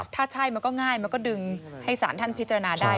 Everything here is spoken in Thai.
ถ้าใช่มันก็ง่ายมันก็ดึงให้สารท่านพิจารณาได้